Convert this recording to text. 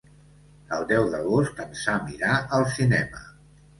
El deu d'agost en Sam irà al cinema.